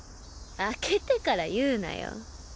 開けてから言うなよ